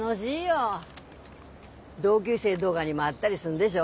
同級生どがにも会ったりすんでしょ？